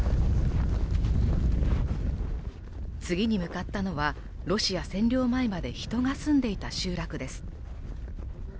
次に向かったのはロシア占領前まで人が住んでいた集落です。